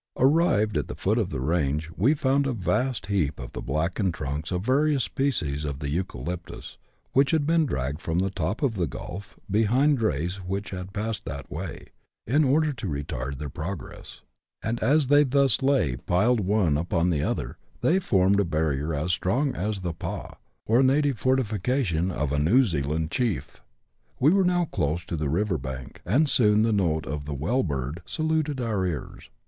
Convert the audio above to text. Arrived at the foot of the range, we found a vast heap of the blackened trunks of various species of the Eucalyptus, which had been dragged from the top of the " Gulf" behind the CHAP. XII.] THE SNOWY RIVER. 131 drays which passed that way, in order to retard their progress ; and as they thus lay piled one upon the other, they formed a barrier as strong as the pah, or native fortification, of a New Zealand chief. We were now close to the river bank, and soon the note of the bell bird saluted our ears.